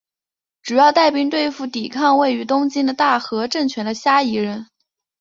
主要带兵对付抵抗位于京都的大和政权的虾夷人。